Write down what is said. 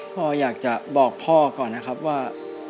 พ่ออยากจะบอกพ่อก่อนนะครับว่า